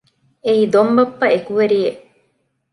އެއީ ދޮންބައްޕަ އެކުވެރިއެއް